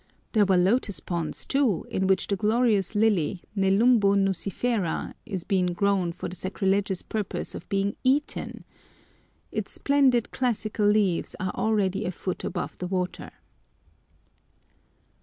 There were lotus ponds too, in which the glorious lily, Nelumbo nucifera, is being grown for the sacrilegious purpose of being eaten! Its splendid classical leaves are already a foot above the water.